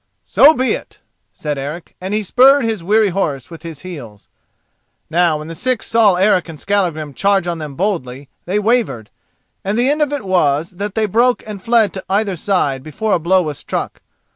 "So be it," said Eric, and he spurred his weary horse with his heels. Now when the six saw Eric and Skallagrim charge on them boldly, they wavered, and the end of it was that they broke and fled to either side before a blow was struck.